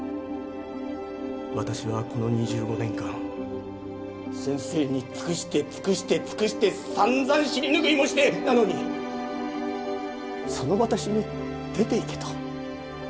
私はこの２５年間先生に尽くして尽くして尽くして散々尻拭いもしてなのにその私に出て行けと？